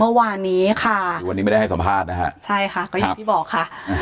เมื่อวานนี้ค่ะคือวันนี้ไม่ได้ให้สัมภาษณ์นะฮะใช่ค่ะก็อย่างที่บอกค่ะ